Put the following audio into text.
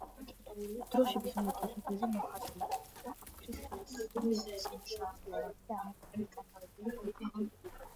დროშების უმეტესობაზე მოხატული იყო ამქრის ხელოსნის სამუშაო იარაღი და მათ მიერ წარმოებული პროდუქცია.